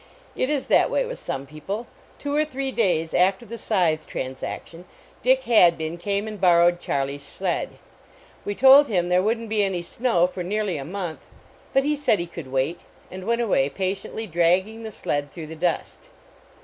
It is that way with some people. Two or three days after the scythe transaction, Dick Hadbin came and borrowed Charlie s sled. We told him there wouldn t be any snow for nearly a month, but he said he could wait, and went away, patiently dragging the sled through the dust.